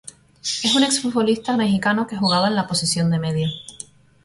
Es un exfutbolista mexicano que jugaba en la posición de medio.